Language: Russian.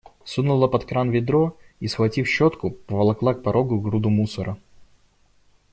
Сунула под кран ведро и, схватив щетку, поволокла к порогу груду мусора.